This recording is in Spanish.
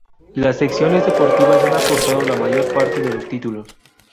Las secciones deportivas han aportado la mayor parte de los títulos.